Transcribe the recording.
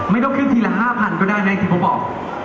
ไม่ต้องขึ้นทีละ๕๐๐๐ได้นะครับผมบอก